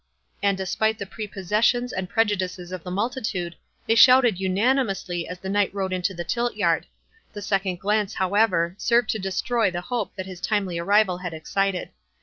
And despite the prepossessions and prejudices of the multitude, they shouted unanimously as the knight rode into the tiltyard. The second glance, however, served to destroy the hope that his timely arrival had excited.